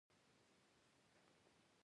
د اسلامي مرکز مهربانۍ د خلکو زړونه ولړزول